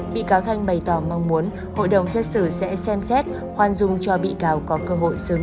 bị cáo thanh bày tỏ mong muốn hội đồng xét xử sẽ xem xét khoan dung cho bị cáo có cơ hội sớm